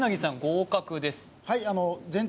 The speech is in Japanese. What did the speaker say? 合格です